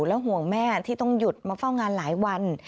และห่วงแม่ที่ต้องหยุดมาเฝ้างานหลายวัน